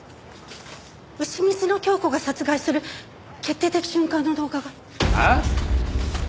うしみつのキョウコが殺害する決定的瞬間の動画が！ああ！？